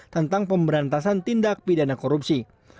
tentang pemberantasan tindak pidana korupsi